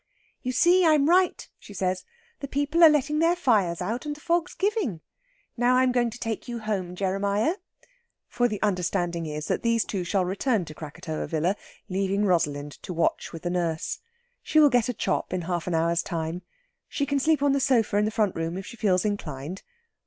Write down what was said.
"You see I'm right," she says. "The people are letting their fires out, and the fog's giving. Now I'm going to take you home, Jeremiah." For the understanding is that these two shall return to Krakatoa Villa, leaving Rosalind to watch with the nurse. She will get a chop in half an hour's time. She can sleep on the sofa in the front room if she feels inclined.